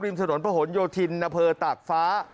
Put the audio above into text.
ริมถนนพระหลโยธินณเพอร์ตากฟ้า